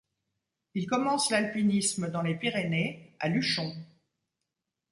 Il commence l'alpinisme dans les Pyrénées, à Luchon.